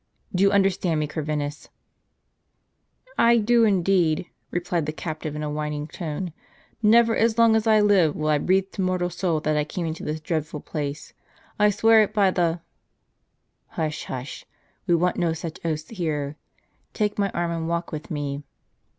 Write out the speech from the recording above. Do you understand me, Corvinus?" trd " I do, indeed," replied the captive in a whining tone. " Never, as long as I live, will I breathe to mortal soul that I came into this dreadful place. I swear it by the —''" Hush, hush ! we want no such oaths here. Take my arm, and walk with me."